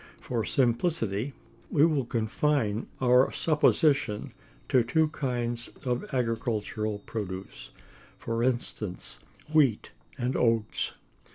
For simplicity, we will confine our supposition to two kinds of agricultural produce; for instance, wheat and oats.